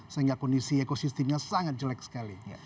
sehingga kondisi ekosistemnya sangat jelek sekali